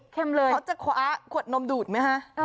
เขาจะคว้าขวดนมดูดไหมคะ